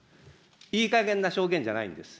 いいかげんな証言じゃないんです。